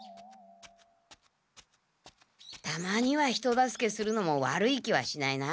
たまには人助けするのも悪い気はしないな。